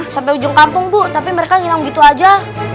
sampe ujung kampung bu tapi mereka ngilang gitu aja